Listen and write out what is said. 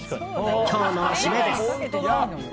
今日の締めです。